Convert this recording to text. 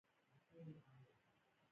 متل دی: چې اوسې په خوی به د هغو شې.